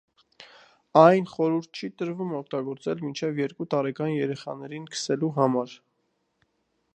Այն խորհուրդ չի տրվում օգտագործել մինչև երկու տարեկան երեխաներին քսելու համար։